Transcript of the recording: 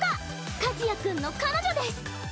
和也君の彼女です！